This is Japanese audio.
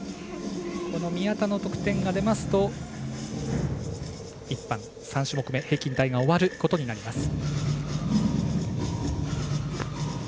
宮田の得点が出ますと１班３種目め平均台が終わることになります。